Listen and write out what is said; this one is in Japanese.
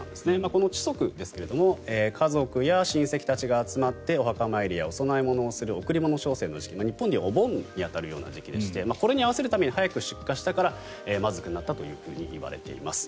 この秋夕ですが家族や親戚たちが集まってお墓参りやお供え物をする贈り物商戦の時期日本で言うお盆に当たるような時期でしてこれに合わせるために早く出荷したからまずくなったといわれています。